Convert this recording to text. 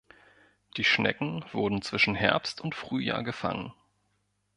Die Schnecken wurden zwischen Herbst und Frühjahr gefangen.